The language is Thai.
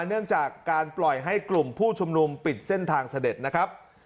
เนื่องจากการปล่อยให้กลุ่มผู้ชุมนุมปิดเส้นทางเสด็จนะครับ